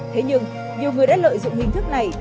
thế nhưng nhiều người đã lợi dụng hình thức này